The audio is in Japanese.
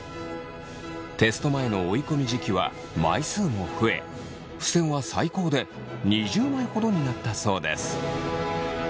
テスト前の追い込み時期は枚数も増えふせんは最高で２０枚ほどになったそうです。